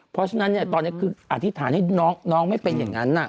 เพราะฉะนั้นเนี่ยตอนนี้คืออธิษฐานให้น้องไม่เป็นอย่างนั้น